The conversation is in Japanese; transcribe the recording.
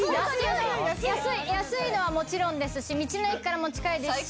安い、安いのはもちろんですし、道の駅からも近いですし。